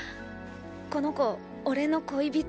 この子おれの“恋人”？